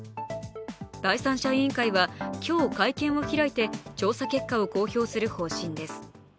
第三者委員会は今日、会見を開いて調査結果を公表する方針です。